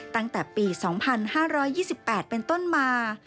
ตั้งแต่ปี๒๕๒๘เป็นต้นมา